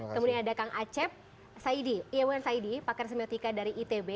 kemudian ada kang acep iwan saidi pakar semiotika dari itb